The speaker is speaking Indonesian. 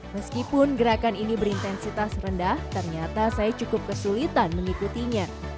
meskipun gerakan ini berintensitas rendah ternyata saya cukup kesulitan mengikutinya